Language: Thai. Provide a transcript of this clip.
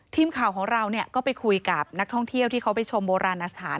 ทีมข่าวของเราก็ไปคุยกับนักท่องเที่ยวที่เขาไปชมโบราณสถาน